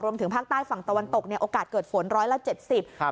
รวมถึงภาคใต้ฝั่งตะวันตกโอกาสเกิดฝนร้อยละ๗๐